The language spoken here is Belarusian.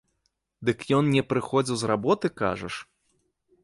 Дык ён не прыходзіў з работы, кажаш?